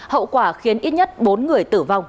hậu quả khiến ít nhất bốn người tử vong